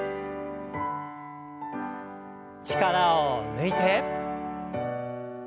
力を抜いて。